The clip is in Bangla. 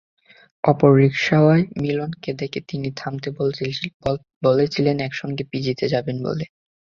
অপর রিকশায় মিলনকে দেখে তিনি থামতে বলেছিলেন, একসঙ্গে পিজিতে যাবেন বলে।